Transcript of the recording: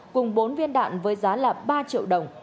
cùng bốn viên đạn với giá là ba triệu đồng